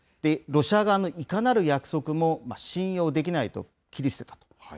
ロシア側のいかなる約束も信用できないと、切り捨てたと。